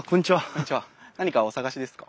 何かお探しですか？